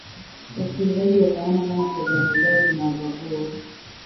wasikilizaji wataona kama programu zako zinawabagua